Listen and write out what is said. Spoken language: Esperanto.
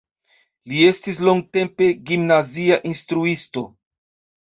Li estis longtempe gimnazia instruisto.